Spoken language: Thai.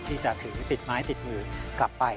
ที่จะถือติดไม้ติดมือกลับไป